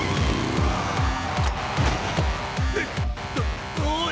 えっおおい。